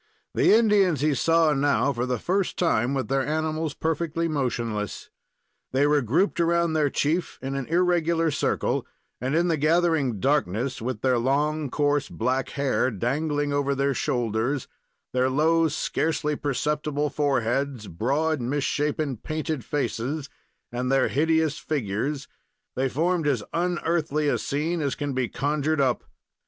The Indians he saw now for the first time with their animals perfectly motionless. They were grouped around their chief in an irregular circle, and in the gathering darkness, with their long, coarse, black hair dangling over their shoulders; their low, scarcely perceptible foreheads; broad, misshapen, painted faces and their hideous figures, they formed as unearthly a scene as can be conjured up.